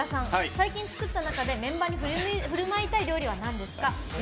最近作った中でメンバーにふるまいたい料理はなんですか？」。